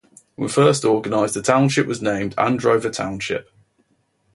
When first organized the township was named Androver Township.